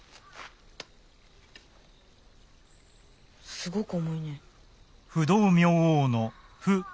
すごく重いね。